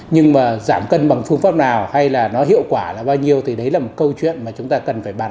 nhưng mà giảm cân bằng phương pháp nào hay là nó hiệu quả là bao nhiêu thì đấy là một câu chuyện mà chúng ta cần phải bàn